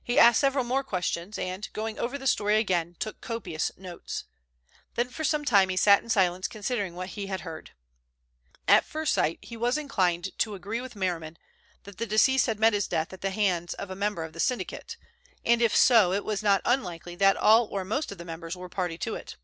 He asked several more questions and, going over the story again, took copious notes. Then for some time he sat in silence considering what he had heard. At first sight he was inclined to agree with Merriman, that the deceased had met his death at the hands of a member of the syndicate, and if so, it was not unlikely that all or most of the members were party to it.